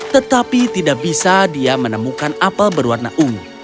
tetapi tidak bisa dia menemukan apel berwarna ungu